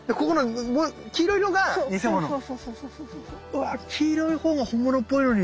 うわ黄色いほうが本物っぽいのに。